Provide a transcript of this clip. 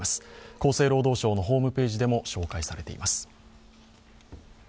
厚生労働省のホームページでも紹介されています。